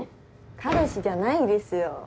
彼氏じゃないですよ。